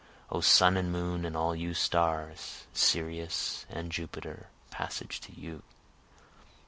O sun and moon and all you stars! Sirius and Jupiter! Passage to you!